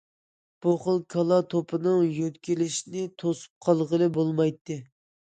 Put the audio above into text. بۇ خىل كالا توپىنىڭ يۆتكىلىشىنى توسۇپ قالغىلى بولمايتتى.